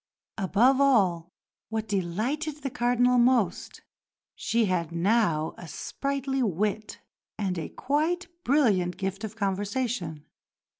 Above all, and what delighted the Cardinal most, she had now a sprightly wit, and a quite brilliant gift of conversation.